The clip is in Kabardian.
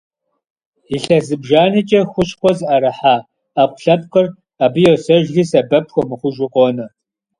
Илъэс зыбжанэкӀэ хущхъуэ зыӀэрыхьа Ӏэпкълъэпкъыр абы йосэжри, сэбэп хуэмыхъужу къонэ.